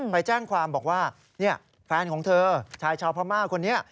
ไปแจ้งความบอกว่าแฟนของเธอชายชาวพม่าคนนี้